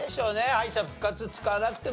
敗者復活使わなくても。